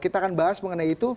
kita akan bahas mengenai itu